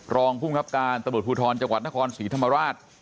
รองภูมิครับการตำรวจภูทรจังหวัดนครศรีธรรมราช